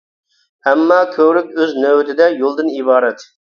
ئەمما كۆۋرۈك ئۆز نۆۋىتىدە يولدىن ئىبارەت.